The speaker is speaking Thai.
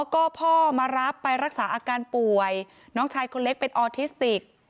ก็พ่อมารับไปรักษาอาการป่วยน้องชายคนเล็กเป็นออทิสติก